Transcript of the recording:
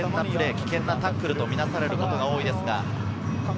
危険なタックルとみなされることが多いです。